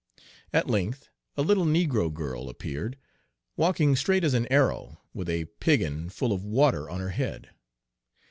At length a little negro girl appeared, walking straight as an arrow, with a piggin full of water on her head.